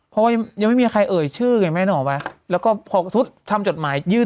เพราะว่ายังไม่มีใครเอ่ยชื่อไงแม่นึกออกไหมแล้วก็พอสมมุติทำจดหมายยื่น